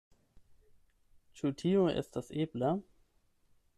Ĉu tio estas ebla.